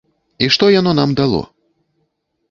І што яно нам дало?